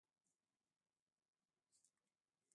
اوبه بې رنګ، بې بوی او بې خوند دي.